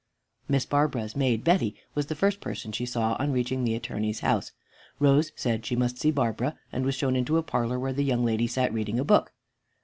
Miss Barbara's maid, Betty, was the first person she saw on reaching the Attorney's house. Rose said she must see Barbara and was shown into a parlor where the young lady sat reading a book.